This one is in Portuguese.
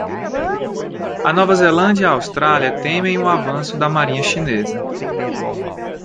A Nova Zelândia e a Austrália temem o avanço da marinha chinesa